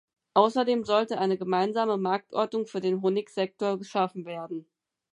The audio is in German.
Außerdem sollte eine Gemeinsame Marktordnung für den Honigsektor geschaffen werden.